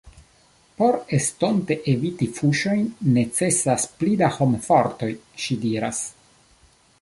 Por estonte eviti fuŝojn necesas pli da homfortoj, ŝi diras.